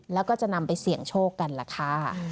แล้วก็จะนำไปเสี่ยงโชคกันล่ะค่ะ